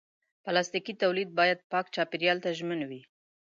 پلاستيکي تولید باید پاک چاپېریال ته ژمن وي.